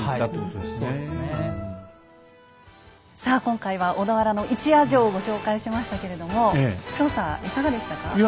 さあ今回は小田原の一夜城をご紹介しましたけれども調査いかがでしたか？